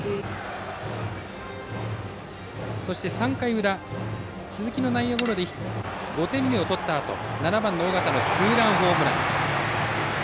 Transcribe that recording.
そして、３回裏鈴木の内野ゴロで５点目を取ったあと７番、尾形のツーランホームラン。